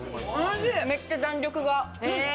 めっちゃ弾力が。